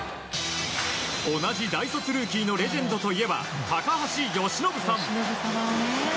同じ大卒ルーキーのレジェンドといえば高橋由伸さん。